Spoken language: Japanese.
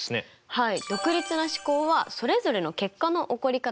はい。